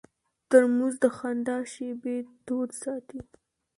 ترموز د خندا شېبې تود ساتي.